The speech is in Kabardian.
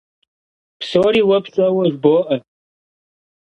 Псори уэ пщӀэуэ жыбоӀэ.